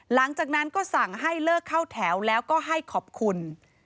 หลังจากนั้นก็สั่งให้เลิกเข้าแถวแล้วก็ให้ขอบคุณ